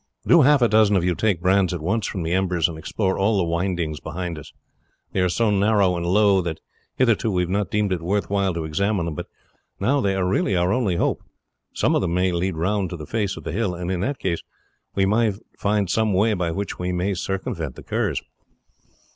Do half a dozen of you take brands at once from the embers and explore all the windings behind us; they are so narrow and low that hitherto we have not deemed it worth while to examine them, but now they are really our only hope; some of them may lead round to the face of the hill, and in that case we may find some way by which we may circumvent the Kerrs."